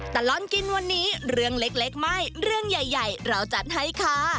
ตลอดกินวันนี้เรื่องเล็กไม่เรื่องใหญ่เราจัดให้ค่ะ